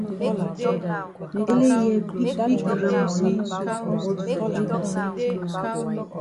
Ele hear big big gramma wey e di komot for dia mop.